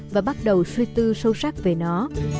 và bắt đầu suy tư sâu sắc về nó